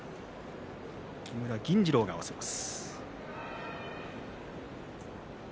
木村銀治郎が合わせます。